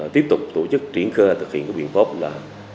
tiếp tục tổ chức triển khai thực hiện cái biện pháp là